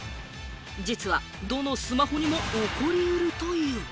実は、どのスマホにも起こりうるという。